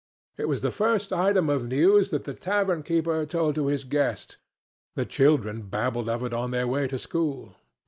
It was the first item of news that the tavernkeeper told to his guests. The children babbled of it on their way to school.